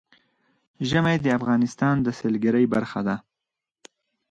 ژمی د افغانستان د سیلګرۍ برخه ده.